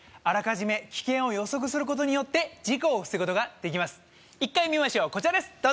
あらかじめ危険を予測することによって事故を防ぐことができます